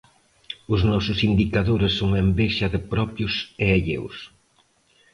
Os nosos indicadores son a envexa de propios e alleos.